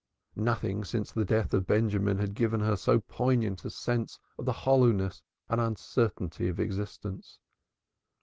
Nothing since the death of Benjamin had given her so poignant a sense of the hollowness and uncertainty of existence.